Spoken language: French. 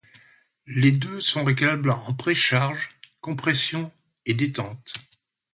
Les deux sont réglables en précharge, compression et détente.